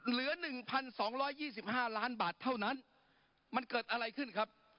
เหลือ๑๒๒๕ล้านบาทเท่านั้นมันเกิดอะไรขึ้นครับ